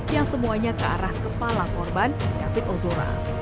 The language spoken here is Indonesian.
yang semuanya ke arah kepala korban david ozora